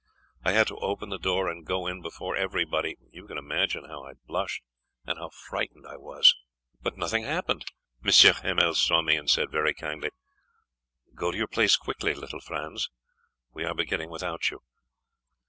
I had to open the door and go in before everybody. You can imagine how I blushed and how frightened I was. But nothing happened, M. Hamel saw me and said very kindly: "Go to your place quickly, little Franz. We were beginning without you."